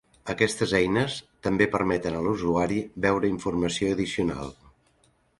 Aquestes eines també permeten a l'usuari veure informació addicional.